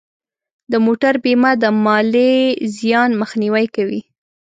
د موټر بیمه د مالی زیان مخنیوی کوي.